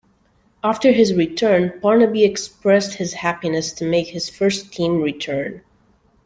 After his return, Parnaby expressed his happiness to make his first team return.